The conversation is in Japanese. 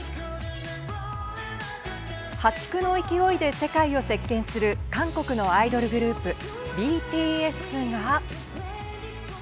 破竹の勢いで世界を席けんする韓国のアイドルグループＢＴＳが。